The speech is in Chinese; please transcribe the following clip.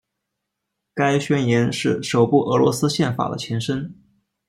该宣言是首部俄罗斯宪法的前身。